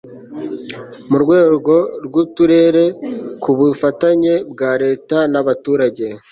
mu rwego rw'uturere ku bufatanye bwa leta n'abaturage